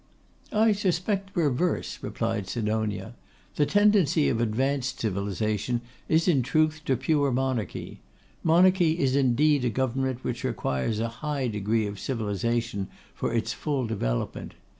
'I suspect the reverse,' replied Sidonia. 'The tendency of advanced civilisation is in truth to pure Monarchy. Monarchy is indeed a government which requires a high degree of civilisation for its full development.